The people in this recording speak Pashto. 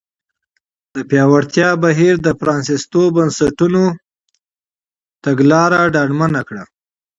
د پیاوړتیا بهیر د پرانیستو بنسټونو مسیر ډاډمن کړ.